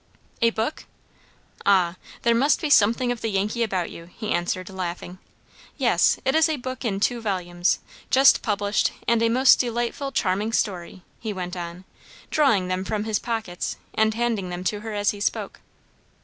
"A book!" "Ah, there must be something of the Yankee about you," he answered, laughing. "Yes, it is a book in two volumes; just published and a most delightful, charming story," he went on, drawing them from his pockets, and handing them to her as he spoke.